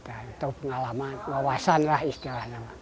atau pengalaman wawasan lah istilahnya